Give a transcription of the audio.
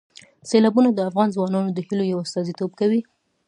سیلابونه د افغان ځوانانو د هیلو یو استازیتوب کوي.